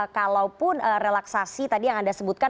kalaupun relaksasi tadi yang anda sebutkan